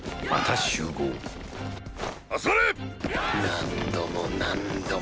何度も何度も